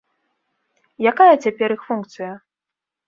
Якая цяпер іх функцыя?